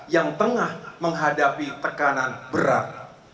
yang tengah menghadapi tekanan berat